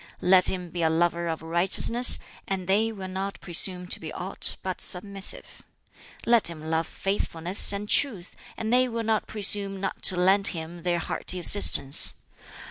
Let him be a lover of righteousness, and they will not presume to be aught but submissive. Let him love faithfulness and truth, and they will not presume not to lend him their hearty assistance.